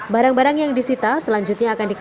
barang barang yang disita selanjutnya akan dikenakan